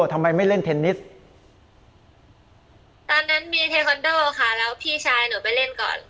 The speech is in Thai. ทำไมไม่เล่นเทนนิสตอนนั้นมีเทคอนโดค่ะแล้วพี่ชายหนูไปเล่นก่อน